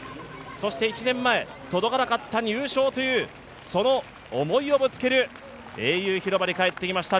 そして１年前、届かなかった入賞というその思いをぶつける英雄広場に帰ってきました。